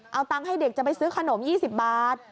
เอาตังค์ให้เด็กจะไปซื้อขนม๒๐บาท